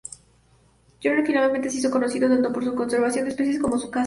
Downey finalmente se hizo conocido tanto por su conservación de especies como su caza.